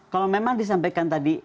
kalau memang disampaikan tadi